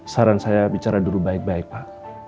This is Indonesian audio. saran saya bicara dulu baik baik pak